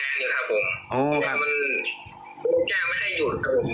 นี่คือโดนในจ้างด่าเลยครับ